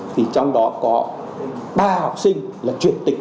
thì trong đó có ba học sinh chuyển tịch